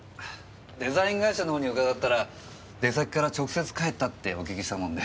デザイン会社のほうに伺ったら出先から直接帰ったってお聞きしたもんで。